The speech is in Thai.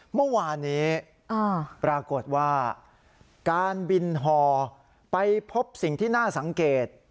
เมื่อวานนี้ปรากฏว่าการบินฮอไปพบสิ่งที่น่าสังเกต